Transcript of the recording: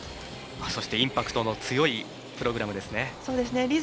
そして、インパクトの強いプログラムですね。